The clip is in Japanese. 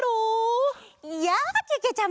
やあけけちゃま！